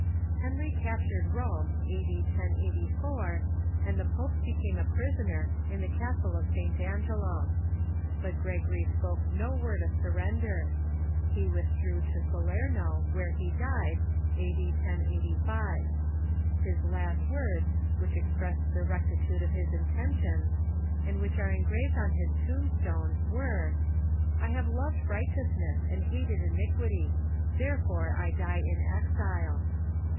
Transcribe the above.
Henry capt ured Rome A.D. 1084, and the pope became a prisoner in the castle of St. Angelo. But Gregory spoke no word of surren der. He withdrew to Salerno, where he died, a.d. 1085. His last words, which expressed the rectitude of his intentions, and which are engraved on his tombstone, were :" I have loved righteousness and hated iniquity ; therefore I die in exile."